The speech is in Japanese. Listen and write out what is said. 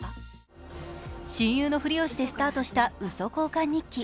親友のふりをしてスタートしたウソ交換日記。